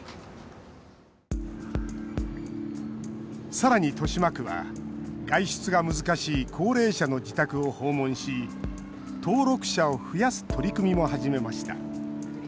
さらに豊島区は、外出が難しい高齢者の自宅を訪問し登録者を増やす取り組みも始めました